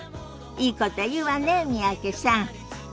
いいこと言うわね三宅さん。